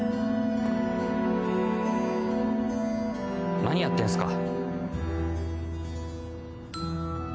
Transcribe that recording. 何やってんすか。